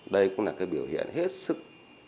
đây cũng là cái biểu hiện hết sức